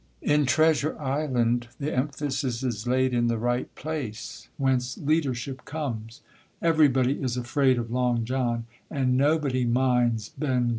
In Treasure Island, the emphasis is laid in the right place, whence leadership comes; everybody is afraid of Long John, and nobody minds Ben Gunn, dead or alive.